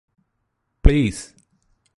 please